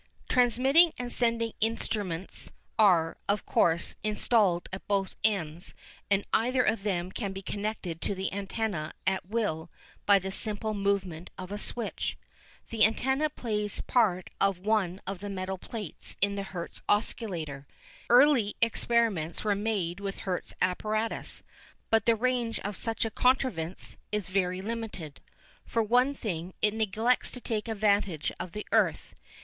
Transmitting and sending instruments are, of course, installed at both ends and either of them can be connected to the antenna at will by the simple movement of a switch. The antenna plays the part of one of the metal plates in the Hertz oscillator. Early experiments were made with Hertz apparatus, but the range of such a contrivance is very limited. For one thing, it neglects to take advantage of the earth.